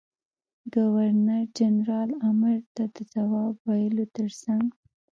ګورنر جنرال امر ته د جواب ویلو تر څنګ.